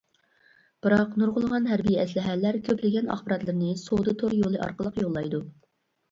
بىراق، نۇرغۇنلىغان ھەربىي ئەسلىھەلەر كۆپلىگەن ئاخباراتلىرىنى سودا تور يولى ئارقىلىق يوللايدۇ.